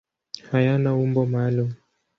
Hayana umbo maalum.